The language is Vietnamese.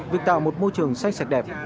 việc tạo một môi trường sạch sạch đẹp